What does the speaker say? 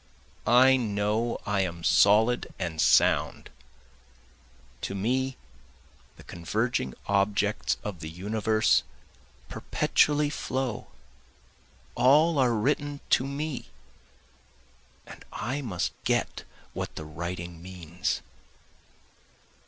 I know I am solid and sound, To me the converging objects of the universe perpetually flow, All are written to me, and I must get what the writing means.